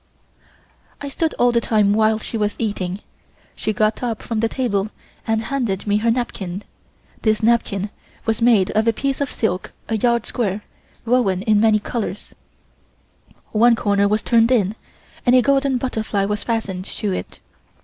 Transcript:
I stood all the time while she was eating. She got up from the table and handed me her napkin (this napkin was made of a piece of silk a yard square, woven in many colors). One corner was turned in, and a golden butterfly was fastened to it.